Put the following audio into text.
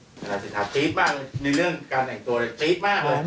สภาธิสินทรัพย์จี๊ดมากในเรื่องการแหน่งตัวจี๊ดมาก